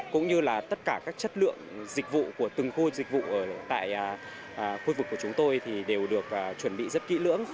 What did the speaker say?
các chất lượng dịch vụ của từng khu dịch vụ ở tại khu vực của chúng tôi thì đều được chuẩn bị rất kỹ lưỡng